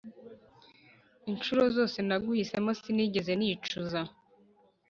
inshuro zose naguhisemo sinigeze nicuza